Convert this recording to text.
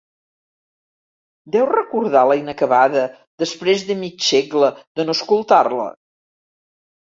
¿Deu recordar la inacabada, després de mig segle de no escoltar-la?